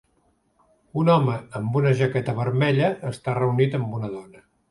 Un home amb una jaqueta vermella esta reunit amb una dona.